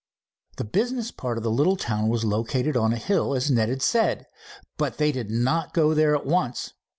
The business part of the little town was located on a hill, as Ned had said, but they did not go there at once.